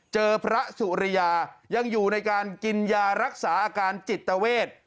เจอพระสุริยายังอยู่ในการกินยารักษาอาการจิตเวท